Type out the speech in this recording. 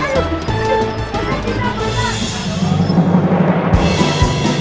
noh ada jenakin emas